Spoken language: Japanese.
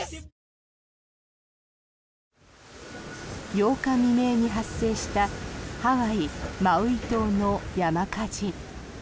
８日未明に発生したハワイ・マウイ島の山火事。